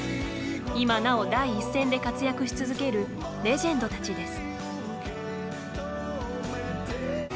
今なお第一線で活躍し続けるレジェンドたちです。